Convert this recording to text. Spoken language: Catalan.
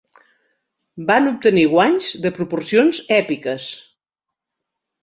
Van obtenir guanys de proporcions èpiques.